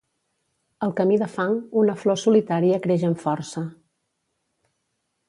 Al camí de fang, una flor solitària creix amb força.